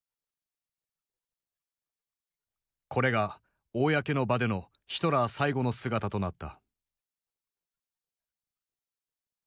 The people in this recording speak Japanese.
これが公の場でのヒトラー最後の姿となった。